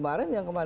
masa yang berakhir